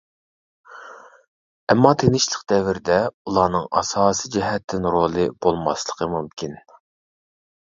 ئەمما تىنچلىق دەۋرىدە ئۇلارنىڭ ئاساسى جەھەتتىن رولى بولماسلىقى مۇمكىن.